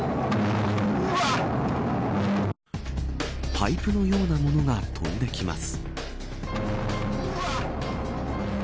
パイプのようなものが飛んできます。